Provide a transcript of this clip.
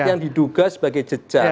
yang diduga sebagai jejak